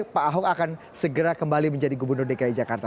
pak ahok akan segera kembali menjadi gubernur dki jakarta